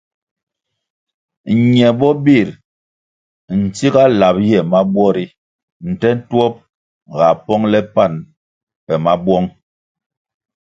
Ñe bo bir ntsiga lab ye mabuo ri nte ntuop ga pongle pan pe mabouong.